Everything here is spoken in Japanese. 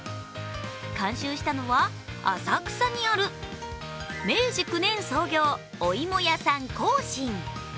監修したのは、浅草にある明治９年創業、おいもやさん興伸。